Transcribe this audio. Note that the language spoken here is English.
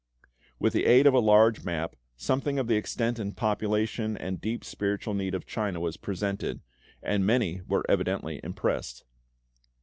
With the aid of a large map, something of the extent and population and deep spiritual need of China was presented, and many were evidently impressed.